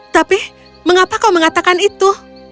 tapi mengapa kau mengatakan itu